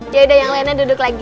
ya udah yang lainnya duduk lagi